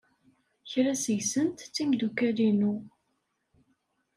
Kra seg-sent d timeddukal-inu.